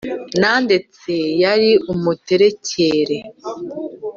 Nandetse ari umuterekêre